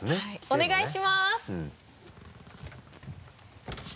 お願いします。